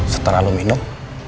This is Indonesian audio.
setelah lo minum